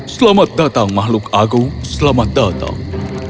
selamat datang makhluk agung selamat datang